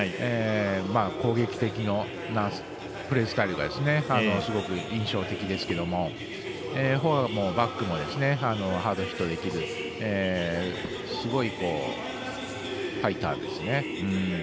攻撃的なプレースタイルがすごく印象的ですけれどもフォアもバックもハードヒットできるすごいファイターですね。